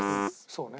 そうね。